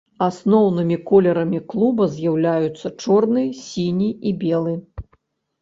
Асноўнымі колерамі клуба з'яўляюцца чорны, сіні і белы.